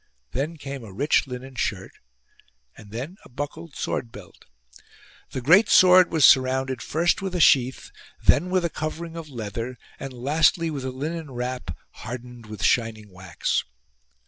Then came a rich linen shirt and then a buckled sword belt. The great sword was surrounded first with a sheath, then with a covering of leather, and lastly with a linen wrap hardened with shining wax.